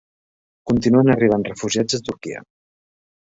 Continuen arribant refugiats a Turquia